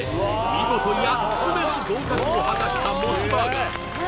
見事８つ目の合格を果たしたモスバーガー